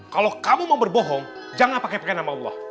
kalau kamu mau berbohong jangan pakai pakai nama allah